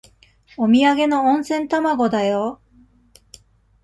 おみやげの温泉卵だよ。